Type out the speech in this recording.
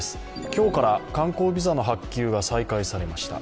今日から観光ビザの発給が再開されました。